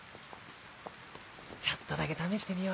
ちょっとだけ試してみようよ。